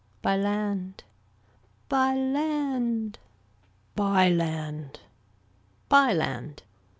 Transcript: By land. By land. By land. By land.